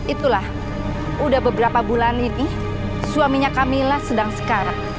itulah udah beberapa bulan ini suaminya kamila sedang sekarang